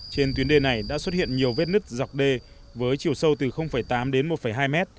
trên tuyến đê này đã xuất hiện nhiều vết nứt dọc đê với chiều sâu từ tám đến một hai mét